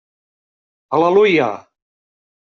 Al·leluia!